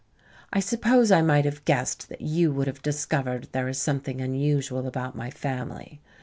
"I suppose I might have guessed that you would have discovered there is something unusual about my family.